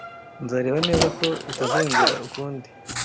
Nzareba neza ko bitazongera ukundi.